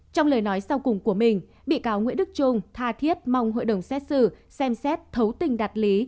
trong lời nói sau cùng của mình bị cáo nguyễn đức trung tha thiết mong hội đồng xét xử xem xét thấu tình đạt lý